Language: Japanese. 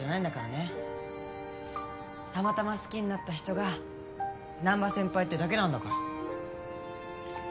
たまたま好きになった人が難波先輩ってだけなんだから。